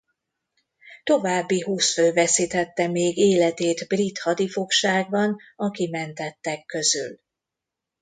További húsz fő veszítette még életét brit hadifogságban a kimentettek közül.